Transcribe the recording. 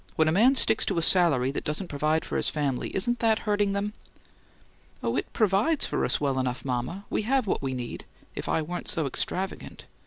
When a man sticks to a salary that doesn't provide for his family, isn't that hurting them?" "Oh, it 'provides' for us well enough, mama. We have what we need if I weren't so extravagant.